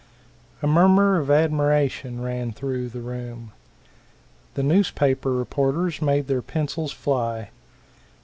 A murmur of admiration ran through the room. The newspaper reporters made their pencils fly.